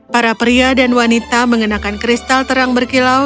para pria dan wanita mengenakan kristal terang berkilau